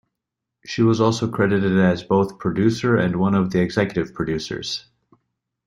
She was also credited as both producer and one of the executive producers.